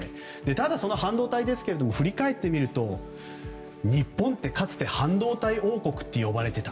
ただ、半導体ですけども振り返ると日本ってかつては半導体王国と呼ばれていた。